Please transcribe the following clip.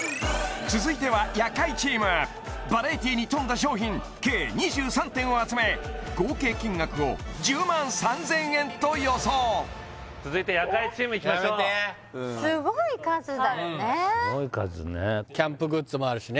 続いては夜会チームバラエティーに富んだ商品計２３点を集め合計金額を１０万３０００円と予想続いて夜会チームいきましょうやめてすごい数ねキャンプグッズもあるしね